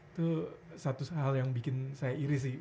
itu satu hal yang bikin saya iri sih